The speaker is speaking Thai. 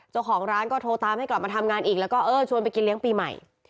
เจ้าของร้านก็โทรตามให้กลับมาทำงานอีกแล้วก็เออชวนไปกินเลี้ยงปีใหม่